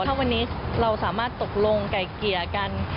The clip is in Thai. ถ้าวันนี้เราสามารถตกลงไก่เกลี่ยกัน